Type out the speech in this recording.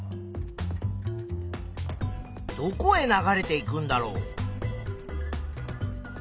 どこへ流れていくんだろう？